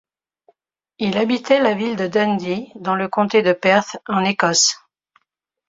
Il habitait la ville de Dundee, dans le comté de Perth, en Écosse.